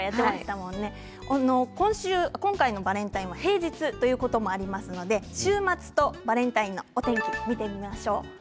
今回のバレンタイン平日ということもありまして週末とバレンタインのお天気見てみましょう。